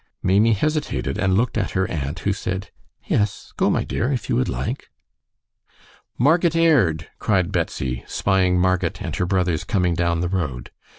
Maimie hesitated and looked at her aunt, who said, "Yes, go, my dear, if you would like." "Marget Aird!" cried Betsy, spying Marget and her brothers coming down the road.